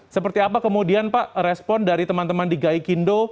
seperti apa kemudian pak respon dari teman teman di gaikindo